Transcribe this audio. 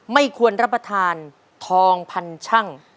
ไม่ควรรับประทานทองพันช่าง